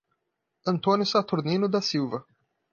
Antônio Saturnino da Silva